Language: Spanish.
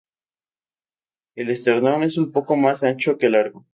El esternón es un poco más ancho que largo.